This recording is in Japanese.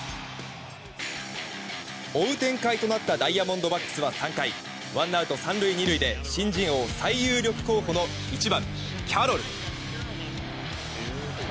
追う展開となったダイヤモンドバックスは３回ワンアウト３塁２塁で新人王最有力候補の１番、キャロル。